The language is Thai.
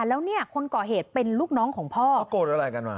แล้วเนี่ยคนก่อเหตุเป็นลูกน้องของพ่อเขาโกรธอะไรกันว่